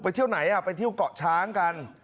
ไปเที่ยวไหนอ่ะไปเที่ยวก่อกักช้างกัน